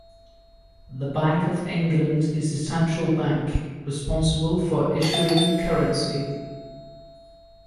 The Bank of England is the central bank, responsible for issuing currency.